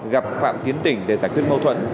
gặp phạm tiến tỉnh để giải quyết mâu thuẫn